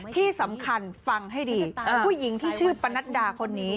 ที่สำคัญฟังให้ดีผู้หญิงที่ชื่อปนัดดาคนนี้